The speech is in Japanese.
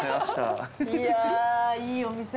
いやーいいお店。